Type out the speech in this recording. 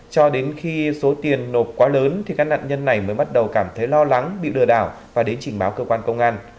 cho đến khi số tiền nộp quá lớn thì các nạn nhân này mới bắt đầu cảm thấy lo lắng bị lừa đảo và đến trình báo cơ quan công an